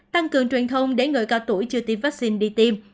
tăng cường truyền thông để người cao tuổi chưa tiêm vaccine đi tiêm